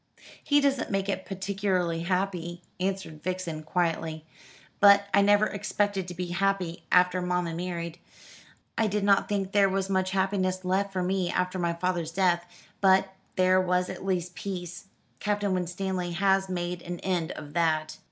"He doesn't make it particularly happy," answered Vixen quietly; "but I never expected to be happy after mamma married. I did not think there was much happiness left for me after my father's death; but there was at least peace. Captain Winstanley has made an end of that."